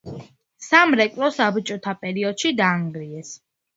სამრეკლო საბჭოთა პერიოდში დაანგრიეს.